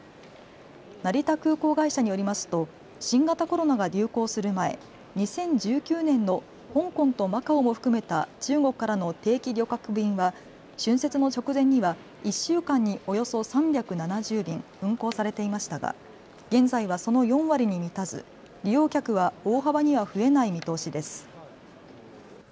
成田空港会社によりますと新型コロナが流行する前、２０１９年の香港とマカオも含めた中国からの定期旅客便は春節の直前には１週間におよそ３７０便運航されていましたが現在はその４割に満たず利用客は大幅には増えない見通しです。